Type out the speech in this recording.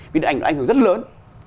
vì điện ảnh nó ảnh hưởng rất lớn